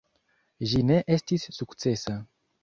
Ĝi ne estis sukcesa.